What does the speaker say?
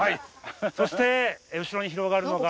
そして後ろに広がるのが。